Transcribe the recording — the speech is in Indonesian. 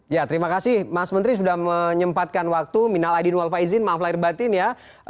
ya terima kasih mas menteri sudah menyempatkan waktu minal aidin wal faizin maaf lahir batin ya